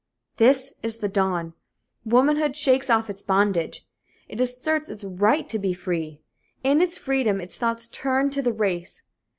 This is the dawn. Womanhood shakes off its bondage. It asserts its right to be free. In its freedom, its thoughts turn to the race.